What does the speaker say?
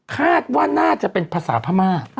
คาดว่าน่าจะเป็นภาษาพม่า